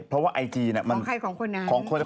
เพราะว่าไอจีเนี่ยมันของคนนั้น